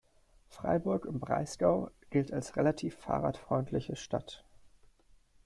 Freiburg im Breisgau gilt als relativ fahrradfreundliche Stadt.